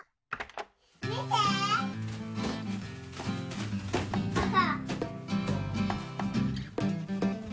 みてパパ！